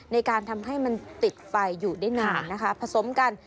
ในการทำให้มันติดไฟอยู่ได้นานนะคะผสมกัน